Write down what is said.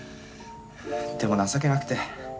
でも情けなくて。